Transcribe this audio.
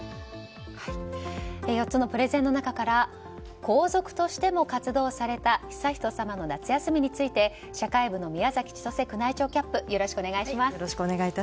４つのプレゼンの中から皇族としても活動された悠仁さまの夏休みについて社会部の宮崎千歳宮内庁キャップよろしくお願いします。